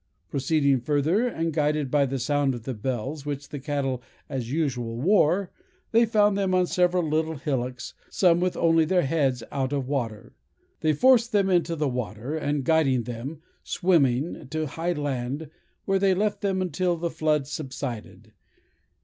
Proceeding further, and guided by the sound of the bells, which the cattle as usual wore, they found them on several little hillocks—some with only their heads out of water. They forced them into the water, and guided them, swimming, to high land, where they left them until the flood subsided.